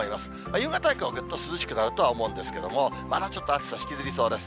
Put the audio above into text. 夕方以降はぐっと涼しくなるとは思うんですけども、まだちょっと、暑さ引きずりそうです。